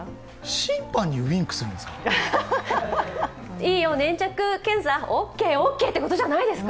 審判にウインクするんですか？